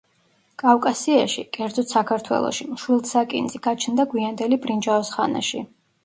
კავკასიაში, კერძოდ საქართველოში, მშვილდსაკინძი გაჩნდა გვიანდელი ბრინჯაოს ხანაში.